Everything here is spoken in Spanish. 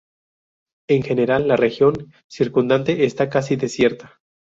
En general, la región circundante está casi desierta.